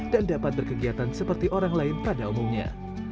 dan dapat berkegiatan seperti orang lain pada umumnya